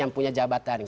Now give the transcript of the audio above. yang punya jabatan gitu